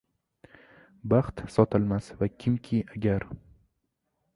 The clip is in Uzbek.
…Baxt sotilmas va kimki agar